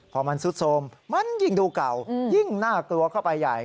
พอมันซุดโทรมมันยิ่งดูเก่ายิ่งน่ากลัวเข้าไปใหญ่